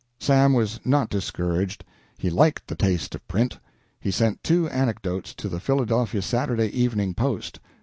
Sam was not discouraged. He liked the taste of print. He sent two anecdotes to the Philadelphia Saturday Evening Post.